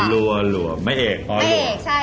หลั่วหลั่วไม่เอกอ๋อหลั่วค่ะ